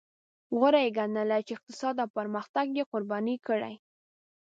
غوره یې ګڼله چې اقتصاد او پرمختګ یې قرباني کړي.